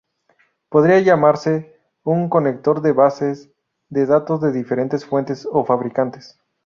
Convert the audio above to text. Podría llamarse un conector de bases de datos de diferentes fuentes o fabricantes.